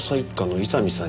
伊丹さん